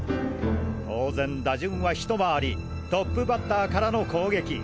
当然打順は一回りトップバッターからの攻撃！